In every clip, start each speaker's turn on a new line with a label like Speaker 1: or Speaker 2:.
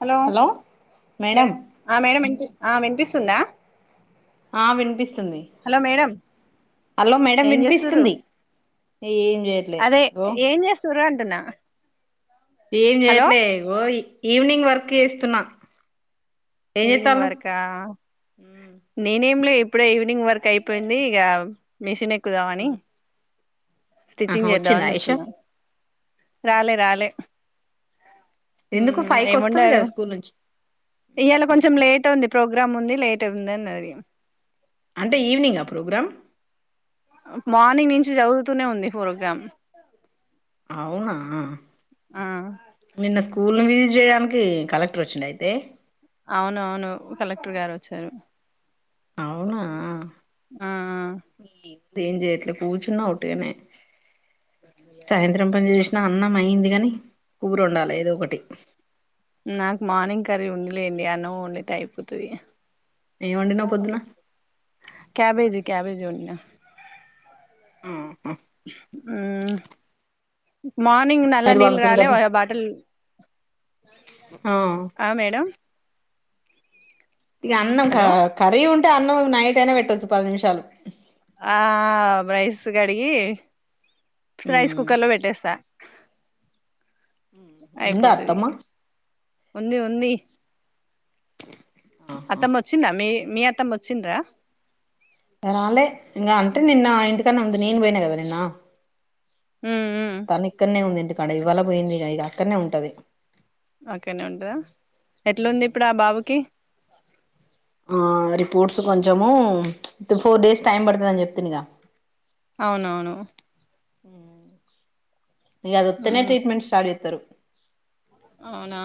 Speaker 1: Hello.
Speaker 2: Madam
Speaker 1: ఆ madam వినిపిస్. ఆ వినిపిస్తుందా.
Speaker 2: ఆ వినిపిస్తుంది.
Speaker 1: హలో మేడం
Speaker 2: హలో మేడం
Speaker 1: ఏం చేస్తుర్రు
Speaker 2: వినిపిస్తుంది. ఏం చేయట్లే ఓ
Speaker 1: తున్నా
Speaker 2: ఏం చేయట్లే ఇగో ఈవినింగ్ వర్క్. చేస్తున్నా. ఏం
Speaker 1: ఈవినింగ్
Speaker 2: చేస్తాళ్ళు
Speaker 1: వర్కా. నేనేమ్లే. ఇప్పుడే ఈవినింగ్ వర్క్ అయిపోయింది. ఇగా మిషిన్ ఎక్ క్కుదామనీ.
Speaker 2: ఆహా
Speaker 1: స్టిచ్చింగ్
Speaker 2: వచ్చిందా
Speaker 1: చేద్దామని
Speaker 2: ఆయేషా
Speaker 1: చూత్తున్నా. రాలే రాలే.
Speaker 2: ఎందుకు
Speaker 1: ఉమ్
Speaker 2: ఫైవ్ కి
Speaker 1: ఏమ్
Speaker 2: వస్తది
Speaker 1: వండారు.
Speaker 2: కదా స్కూల్ నుంచి
Speaker 1: ఇయాళ కొంచెం లేట్ ఉంది. ప్రోగ్రామ్ ఉంది లేట్ ఉంది అన్నది.
Speaker 2: అంటే ఈవినింగా ప్రోగ్రామ్.
Speaker 1: మార్నింగ్ నించి జరుగుతూనే ఉంది ప్రోగ్రామ్.
Speaker 2: ఆవునా.
Speaker 1: ఆ
Speaker 2: నిన్న స్కూల్లుందీ. ఇది చేయడానికి కలెక్టర్ వచ్చిండ అయితే
Speaker 1: అవునవును కలెక్టర్ గారు వచ్చారు.
Speaker 2: అవునా
Speaker 1: ఆ
Speaker 2: ఏం చేయ్యట్లే కూచున్న ఓట్టిగానే. సాయంత్రం పని చేసిన అన్నం అయింది. గానీ కూర ఉండాలి ఏదో ఒకటి
Speaker 1: నాకు మార్నింగ్ కర్రీ ఉందిలేండి అన్నవ ఉండడితే అయిపోతుది
Speaker 2: ఏం వండినావు పొద్దున
Speaker 1: కబేజీ క్యాబేజి వండిన
Speaker 2: ఆ హా
Speaker 1: ఆ మార్నింగ్ నల్
Speaker 2: నైట్
Speaker 1: నీల్ రాలే
Speaker 2: పండుకునేటప్పుడు
Speaker 1: బటిల్
Speaker 2: ఆ
Speaker 1: ఆ మేడం
Speaker 2: ఇక అన్నం క
Speaker 1: హలో
Speaker 2: కరీ ఉం అంటే అన్న నైట్ అయినా పెట్టొచ్చు పది నిమిషాలు
Speaker 1: ఆ బైస్ కడిగి రైస్
Speaker 2: ఉమ్
Speaker 1: కుక్కర్ లో పెట్టేస్తా
Speaker 2: ఉందా
Speaker 1: అయిపోతుది
Speaker 2: అత్తమ్మ
Speaker 1: ఉంది ఉంది
Speaker 2: ఆహా
Speaker 1: అత్తమ్మ వచ్చింద మీ మీయాతమ్మ వచ్చిన్రా
Speaker 2: ఇగ రాలే ఇంగ అన్ నిన్న ఇంటికదనే ఉంది నేను పోయన కద నిన్న
Speaker 1: మ్మ్ మ్మ్
Speaker 2: తా నిక్కన్ని ఉంది క్కడ ఇవ్వాల పోయింది ఇ ఇక అక్కడనే ఉంటది
Speaker 1: ఆక్కనే ఉంటదా ఎట్లాంది ఇప్పుడు ఆ బాబుకి
Speaker 2: రిపోర్ట్స్ కొంచెము ఫోర్ డేస్ టైం పడుతుందని చెప్తనీగా
Speaker 1: అవునవును
Speaker 2: ఆ ఇగ ఆది వోత్తనే
Speaker 1: మ్మ్
Speaker 2: ట్రీట్మెంట్ స్టార్ట్ చే తరు
Speaker 1: అవునా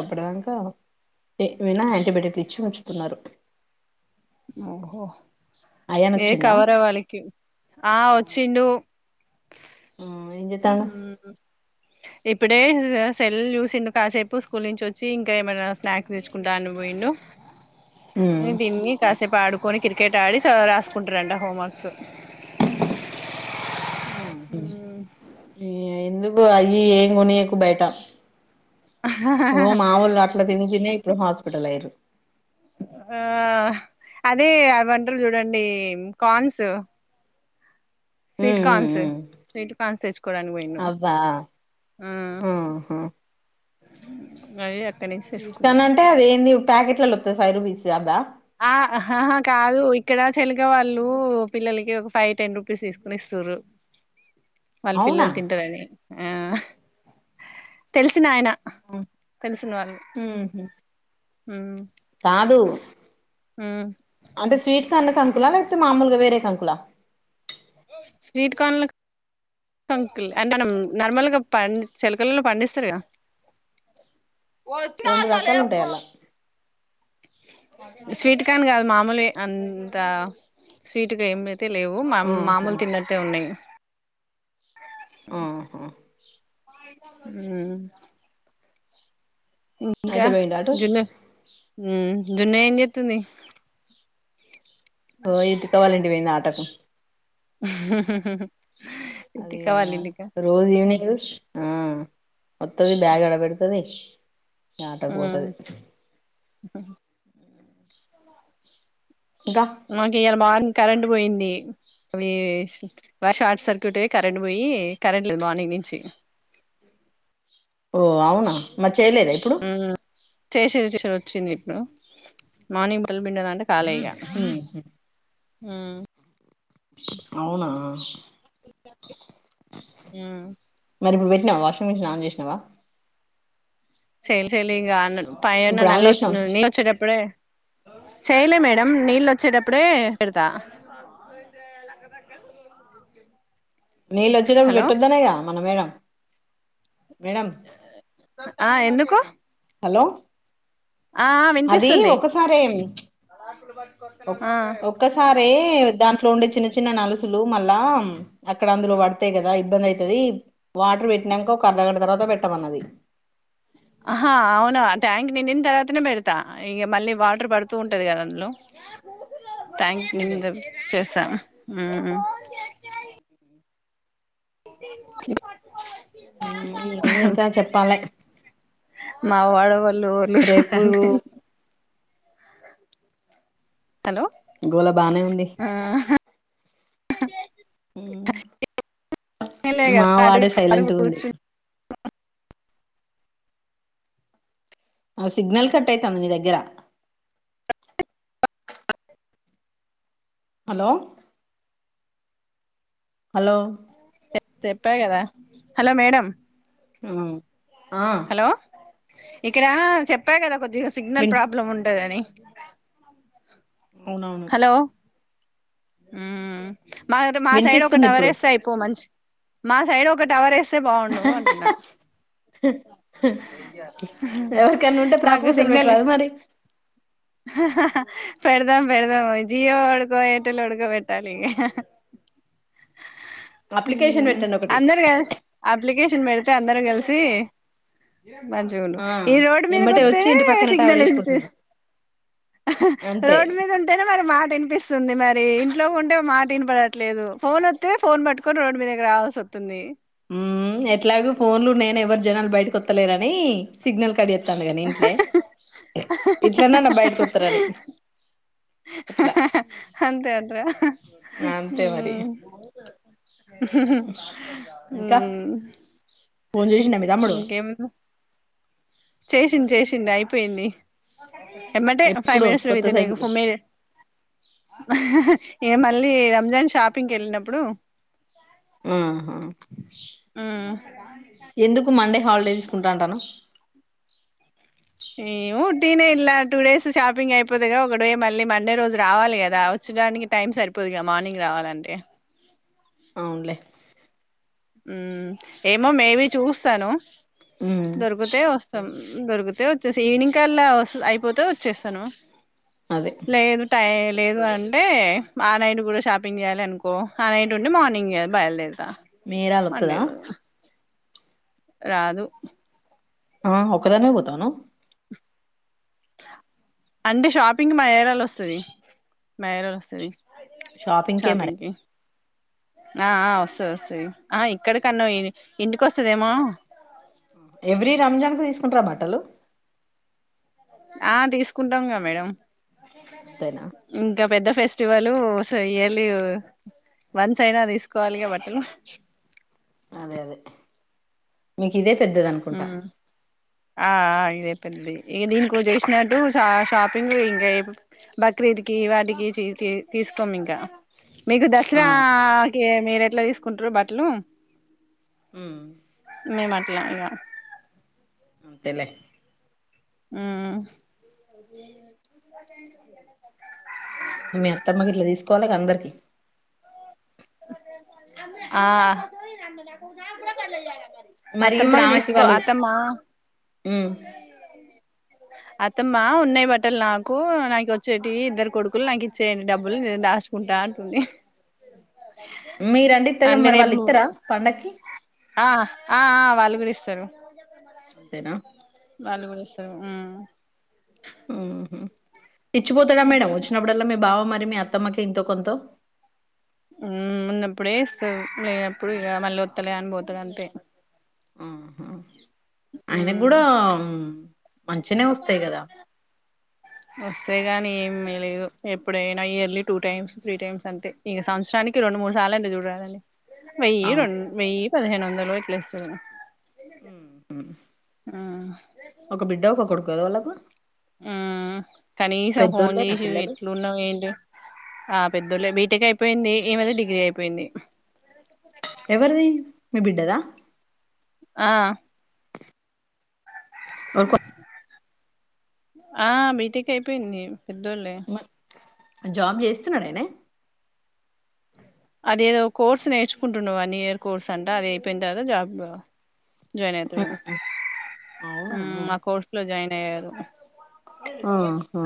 Speaker 2: ఎప్పుటిదాంక వినా యాంటీబయటిక్ ఇచ్చి వచి స్తున్నారు
Speaker 1: ఓహో
Speaker 2: అయాన్
Speaker 1: ఏ
Speaker 2: వచ్చిండా
Speaker 1: కవరవళిక ఆ వచ్చిండు
Speaker 2: హ్మ్ ఎం చేతన్నావ్
Speaker 1: మ్మ్ ఇప్పుడే సెల్ చూసిండు, కాసేపు స్కూల్ నుంచి వచ్చి, ఇంకా ఏమైనా స్నాక్స్ తెచ్చుకుంటా అను పోయిండు.
Speaker 2: ఉహ్
Speaker 1: రేపు ఆడుకొని క్రికెట్ ఆడి రాసుకుంటారంట హోమ్వర్క్స్
Speaker 2: హ్మ్ ఎందుక్ నువ్వు అయ్యి ఇయ్యి ఏం కొనీయకు బయట వో మా వోళ్ళు అట్లా తిని తిని ఇప్పుడు హాస్పిటల్ అయిరు
Speaker 1: ఆ అదే అవ్ టారు చూడండి కాన్స్ స్వీట్ కార్న్స్ స్వీట్ కార్న్స్ తెచ్చుకోడానికి పోయిండు
Speaker 2: అబ్బా
Speaker 1: హ్మ్
Speaker 2: ఆహా
Speaker 1: ఇగ అయ్యే
Speaker 2: తీడతానంటే అదేంది ప్యాకెట్లలో వత్తవి ఫైవ్ రూపీస్ వి అవ్వ
Speaker 1: ఆహా అహా కాదు ఇక్కడ చెలిగవాళ్ళు పిల్లల ఇ ఒక ఫైవ్ టెన్ రూపీస్ తీసుకుని ఇస్తారు వాళ్ళ
Speaker 2: అవునా
Speaker 1: పిల్లలు తింటారని ఆ తెలిసిన ఆయన
Speaker 2: హ్మ్ ఉహు
Speaker 1: ఉ
Speaker 2: తాదు అంటే స్వీట్ సన్న కంకుల లేకపోతే మామూలుగా వేరే కంకులా
Speaker 1: స్వీట్ కార్న్ లక్ కంకుల్ అండ్ నం నార్మల్గా పన్ చెలకలలో పండిస్తారుగా ఒట్గా
Speaker 2: రెండు
Speaker 1: అన్నా
Speaker 2: రకాలు
Speaker 1: లేప్
Speaker 2: ఉంటాయి
Speaker 1: పో
Speaker 2: అలా
Speaker 1: స్వీట్ కార్న్ గాదు మామూలులే అంత స్వీటు గా ఏమి లేదు అయితే లేవు మా
Speaker 2: ఆహా
Speaker 1: మామూలు తిన్నట్టే ఉన్నాయి
Speaker 2: ఆహా
Speaker 1: ఉ ఇంకా
Speaker 2: అయితే పోయిండా అటు
Speaker 1: జున్న ఉ జున్ను ఏం చేతుంది
Speaker 2: ఓ ఎతిక వాళ్ళ ఇంటికి పోయింది ఆటకు
Speaker 1: ఆ
Speaker 2: అదిగా రోజ్ ఈవనింగ్ ఆ వత్తది బ్యాగ్ ఆడ బెడుతది ఈ ఆట కు పోతది
Speaker 1: అ
Speaker 2: ఇంకా
Speaker 1: మాకి ఇయలా మార్నింగ్ కరెంన్ ట్ పోయింది అవి వ షార్ట్ సర్క్యూట్ అయి కరెంట్ పోయి కరెంట్ లేదు మార్నింగ్ నుంచి
Speaker 2: ఓ అవున మరి చేయలేదా ఇప్పుడు
Speaker 1: చేసిర్ చేసిర్ వచ్చింది ఇప్పుడు మార్నింగ్ బట్టలు పిండుదం అంటే కాలె ఇగా ఉ
Speaker 2: అవునా
Speaker 1: ఉ
Speaker 2: మరి ఇప్పుడు పెట్టినవా వాషింగ్ మిషిన్ ఆన్ చేసినావ
Speaker 1: చైలె చైలింగ అన్నడు పైన
Speaker 2: ఇప్పుడు ఆన్
Speaker 1: నల్ల
Speaker 2: చేసినావా
Speaker 1: వొచ్చిన నీళ్లు
Speaker 2: మిషన్
Speaker 1: వచ్చెటప్పుడే చేయలే మేడం నీళ్ళు వచ్చేటప్పుడే పెడతా
Speaker 2: నీళ్ళు వచ్చేటప్పుడు
Speaker 1: హలో
Speaker 2: పెట్టొద్దు అనేగా మన మేడం మేడం
Speaker 1: ఆ ఎందుకు
Speaker 2: హలో
Speaker 1: ఆ
Speaker 2: అది
Speaker 1: వినిపిస్తుంది
Speaker 2: ఒకసారే ఏం ఒక్
Speaker 1: ఆ
Speaker 2: ఒక్కసారే దాన్ ట్లో ఉండే చిన్న చిన్న నలుసులు మళ్ల అక్కడ అందులో పడతయి కదా ఇబ్బంది అయి తది వాటర్ పెట్టినాంక ఒక అర్ధగంట తర్వాత పెట్టామన్నది
Speaker 1: అహా అవును ట్యాంక్ నిండిన తర్వాతనే పెడతా ఇక మళ్ళీ వాటర్ పడుతూ ఉంటది కదా అందులో ట్యాంక్
Speaker 2: అదే
Speaker 1: నిండా చేస్తాన ఊమ్
Speaker 2: స
Speaker 1: కొట్టుకొవద్దు
Speaker 2: మ్ ఇంకా చెప్పాలె
Speaker 1: మా వాడ వ లోలు అంటే
Speaker 2: గోల బానే ఉంది
Speaker 1: అ
Speaker 2: మ్
Speaker 1: లే
Speaker 2: మా
Speaker 1: కదా అటు
Speaker 2: వాడే
Speaker 1: అడుగు
Speaker 2: సైలెంట్గ్ ఉంది
Speaker 1: కూర్చు
Speaker 2: ఆ సిగ్నల్ కట్ అయితాంది నీ దగ్గర
Speaker 1: అ
Speaker 2: హలో హలో
Speaker 1: చెప్పా కదా హలో మేడం
Speaker 2: అ
Speaker 1: హలో ఇక్కడ చెప్పా కదా కొద్దిగా సిగ్నల్
Speaker 2: విన్
Speaker 1: ప్రాబ్లమ్ ఉంటదని [unintelligible]
Speaker 2: అవునవును
Speaker 1: ఉమ్ మా మా సైడ్ ఒక
Speaker 2: వినిపిస్తుంది
Speaker 1: టవర్
Speaker 2: ఇప్పుడు
Speaker 1: ఎస్తే అయిపోవ్ మంచి మా సైడ్ ఒక టవర్ ఎస్తే స్తే బాగుండు అంటున్నా
Speaker 2: ఎవరికన్నా ఉంటే ప్రపోజల్ పెట్టరాదు మరి
Speaker 1: ఆహా హా పెడదాం పెడదాం జియో ఒడికో ఎయిర్టెల్ ఒడికో పెట్టాలిగా
Speaker 2: అప్లికేషన్
Speaker 1: ఉమ్
Speaker 2: పెట్టండి ఒకటి
Speaker 1: అందరూ క ఆ అప్లికేషన్ పెడితే అందరం కలిసి మంచిగుండు
Speaker 2: ఆ
Speaker 1: ఈ రోడ్డు మీదకి
Speaker 2: ఎమ్మటే
Speaker 1: ఒత్తే
Speaker 2: వచ్చి ఇంటి పక్కన టవర్
Speaker 1: సిగ్నల్ ఉంటది
Speaker 2: వేసిపోతాడు అంతే
Speaker 1: రోడ్డు మీద ఉంటేనే మరి మా వినిపిస్తుంది మరి ఇంట్లోకి ఉంటే మాట వినిపడట్లేదు ఫోన్ వస్తే ఫోన్ పట్టుకొని రోడ్ మీద కి రావాల్సి వస్తుంది
Speaker 2: ఎట్లాగ ఫోన్లు నేను ఎవ్వరు జనాలు బయటకి ఒత్తలేరు అని సిగ్నల్ కడియ ట్చేతండు కాని ఇట్లన్నన్న బయటకి ఒత్తరని ఇట్లా
Speaker 1: అంతే అంతే హ
Speaker 2: మరి
Speaker 1: మ్
Speaker 2: ఇంకా
Speaker 1: హ్మ్
Speaker 2: ఫోన్ చేసిండా మీ తమ్ముడు
Speaker 1: చేసిండు చేసిండు అయి పేయింది ఎమ్మటే ఫైవ్
Speaker 2: ఎప్పుడు
Speaker 1: మినిట్స్ లో
Speaker 2: కొత్త
Speaker 1: విట్టిండె
Speaker 2: సైకిల్
Speaker 1: ఇగఫమ్మేదె యే మళ్ళీ రంజాన్ షాపింగ్ కెళ్ళినప్పుడు
Speaker 2: ఆహా
Speaker 1: మ్మ్
Speaker 2: ఎందుకు మండే హాలిడే తీసుకుంటా అంటన్నావ్
Speaker 1: ఏవో టేనే ఇల్ల్యా టూ డేస్ షాపింగ్ అయిపోదుగా, ఒక డే మళ్ళీ మండే రోజు రావాలి కదా వచ్చడానికి టైమ్ సరిపోదుగా మార్నింగ్ రావాలంటే,
Speaker 2: అవునులే
Speaker 1: మ్మ్ ఏమో మేబి చూస్తాను
Speaker 2: ఉమ్
Speaker 1: దొరుకుతే వస్తాం దొరుకితే వచ్చేస ఈవినింగ్ కల్లా వస్ అయిపోతే వచ్చేస్తాను
Speaker 2: అదే
Speaker 1: లేదు టైల్ లేదు అంటే ఆ నైట్ కూడా షాపింగ్ జేయాలి అనుకో ఆ నైట్ ఉండి మార్నింగే బయలుదేరుతా మండే
Speaker 2: మేరాలొత్తదా
Speaker 1: రోజు రాదు
Speaker 2: ఆ ఒక్కదానివే పోతావ నువ్
Speaker 1: అంటే షాపింగ్ మా ఏరాలో వస్తుది మా ఏరాలో వస్తది
Speaker 2: షాపింగ్ కే మరి
Speaker 1: ఆ ఆ వస్తది వస్సది ఆ ఇక్కడి కన్నా ఇంటికి వస్తదేమో
Speaker 2: హలో
Speaker 1: ఆ తీసుకుంటాంగా మేడం
Speaker 2: అంతేనా
Speaker 1: ఇంకా పెద్ద ఫెస్టివలు వస్సే ఇయర్లీ వన్స్ అయినా తీసుకోవాలి గా బట్టలు.
Speaker 2: అదే అదే మీకు ఇదే పెద్దది అనుకుంటా
Speaker 1: ఉమ్ ఆ ఆ ఇదే పెద్దది, ఇ దీనికోజేసినట్టు షా షాపింగ్ ఇంకా బక్రీద్ కి వాటికి తీ తీసుకోము ఇంకా, మీకు
Speaker 2: ఆ
Speaker 1: దసరా కే మీరు ఎట్లా తీసుకుంటరు బట్టలు
Speaker 2: ఉమ్ అంతేలే
Speaker 1: మ్మ్ హ్మ్
Speaker 2: మీ అత్తమ్మగి ఇట్లా తీసుకోవాలిగ అందరిక్
Speaker 1: ఆ
Speaker 2: మరి
Speaker 1: అత్తమ్మ వి దీస్కో అత్తమ్మా
Speaker 2: ఉం
Speaker 1: అత్తమ్మా ఉన్నాయి బట్టలు నాకు నాకు వచ్చేటివి ఇద్దరు కొడుకులు నాకు ఇచ్చేయండి డబ్బులు దాస్కుంటా అంటుంది
Speaker 2: మీరండి ఇత్తరెమొ
Speaker 1: అంటే
Speaker 2: మరి వాళ్ళు
Speaker 1: రేపు
Speaker 2: ఇత్తరా పండక్కి
Speaker 1: ఆ ఆ ఆ వాళ్ళు గూడ ఇస్తరు
Speaker 2: అంతేనా
Speaker 1: వాళ్లు కూడా ఇస్తరు ఉం
Speaker 2: ఉం ఇచ్చిపోతాడా మేడం
Speaker 1: అట్లా
Speaker 2: వచ్చినప్పుడల్లా మీ బావ మరి మీ అత్త తమకి ఎంతో కొంతో
Speaker 1: ఉం ఉన్నప్పుడే ఇస్తరు లేనప్పుడు ఇగ మళ్ళ ఒత్తలే అని పోతడు అంతే
Speaker 2: ఉం ఆయిన
Speaker 1: మ్మ్
Speaker 2: గూడా మంచినే ఒస్తాయి గదా
Speaker 1: అలాగని ఏమీ లేదు ఎప్పుడైనా yearly two times three times అంతే ఇఅ సంవత్సరానికి రెండు మూడు సార్లు అన్న చూడు రాదండి వెయ్యి
Speaker 2: అవును
Speaker 1: రొన్ వెయ్యి పదిహేను వందలు జొన్నరొట్లేస్తున్న
Speaker 2: ఉమ్ ఒక బిడ్డ ఒక కొడుకు పేదవాళ్లకు
Speaker 1: ఉం కనీసం ఫోన్
Speaker 2: పెద్దోళ్ళేనా
Speaker 1: చేశి
Speaker 2: పిల్లలు
Speaker 1: ఎట్లున్నావ్ ఏంటి ఆ పెద్దోళ్ళ బీ బీటెక్ అయిపోయింది ఈమెది డిగ్రీ అయిపోయింది
Speaker 2: ఎవరిది మీ బిడ్డెదా
Speaker 1: ఆ
Speaker 2: ఒ కో
Speaker 1: ఆ బీటెక్ అయిపోయింది పెద్దోళ్లే
Speaker 2: జాబ్ చేస్తున్నరయినే
Speaker 1: అదేదో కోర్స్ నేర్చుకుంటుండు వన్ ఇయర్ కోర్స్ అంట అది అయిపోయిన తర్వాత జాబ్ జయిన్ అవుతాడు
Speaker 2: అవునా
Speaker 1: ఆ కోర్స్ లో జాయిన్ ఏదొ [inaudible]
Speaker 2: ఆహా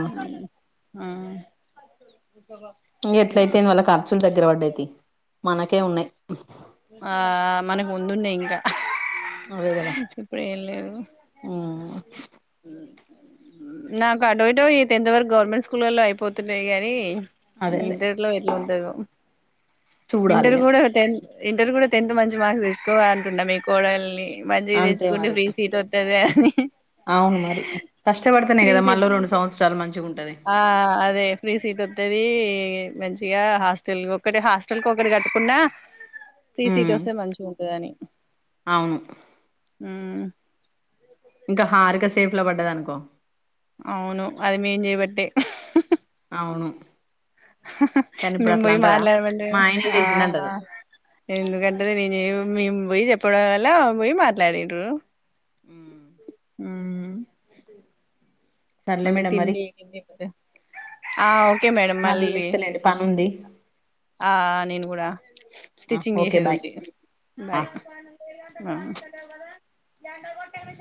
Speaker 1: అం
Speaker 2: ఇంగ ఎట్లాయితేం వాల్ల ఖర్చులు రవడ్డయి తి మనకే ఉన్నయి
Speaker 1: ఆ మనకు ముందున్నె ఇంకా
Speaker 2: అవే కదా
Speaker 1: ఇప్పుడు ఏం లేదు
Speaker 2: ఊ
Speaker 1: నక్ ఆటో ఇటో [unintelligible] టెన్త్ వరకు గవర్నమెంట్ స్కూలల్లో అయిపోతున్నాయి కానీ
Speaker 2: అదే అదే
Speaker 1: ఇంటర్లో ఎట్లుంటదొ ఉ ఇంటర్
Speaker 2: చూడాలిగా
Speaker 1: కూడా టెన్త్ ఇంటర్ కూడా టెన్త్ మంచి మార్క్స్ తెచ్చుకో అంటున్న మీ కోడల్ని మంచిగా
Speaker 2: అంతే
Speaker 1: తెచ్చుకుంటే
Speaker 2: మరి
Speaker 1: ఫ్రీ సీట్ వస్తద అహ
Speaker 2: అవును మరి కష్టపడతేనే కదా
Speaker 1: సీట్
Speaker 2: మళ్ళ రెండు సంవత్సరాలు మంచిగా ఉంటాది
Speaker 1: ఆ అదే [unintelligible] మంచిగా హాస్టల్ ఒకటి హాస్టల్ కి ఒకటి కట్టుకున్న ఫ్రీ సీట్
Speaker 2: ఉమ్
Speaker 1: వస్తే మంచిగా ఉంటదని
Speaker 2: అవును
Speaker 1: మ్మ్
Speaker 2: ఇంకా హారిక సేఫ్ లో పడ్డదనుకో
Speaker 1: అవును అది మేం చేయబట్టే
Speaker 2: అవును కానీ ఇప్పుడు
Speaker 1: మేం
Speaker 2: అట్లా
Speaker 1: పోయి
Speaker 2: అంటదా
Speaker 1: మాట్లాడబట్టి
Speaker 2: మా ఆయనే
Speaker 1: ఆ
Speaker 2: చేసిండు అంటది
Speaker 1: ఎందుకంటది [unintelligible] మేము పొయ్యి చెప్పడం వల పోయి మాట్లాడిన్రు
Speaker 2: మ్మ్
Speaker 1: మ్మ్
Speaker 2: సర్లే
Speaker 1: మళ్ళీ
Speaker 2: మేడం మరి
Speaker 1: తిండి ఆ ఓకే మేడం మళ్ళీ
Speaker 2: చేస్తలేండి పని ఉంది
Speaker 1: ఆ నేను కూడా
Speaker 2: ఆ,
Speaker 1: స్టిచ్చింగ్
Speaker 2: ఓకే
Speaker 1: చేసేది
Speaker 2: బాయ్
Speaker 1: ఉంది
Speaker 2: ఆ.
Speaker 1: బాయ్